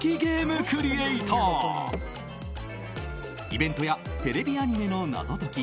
イベントやテレビアニメの謎解き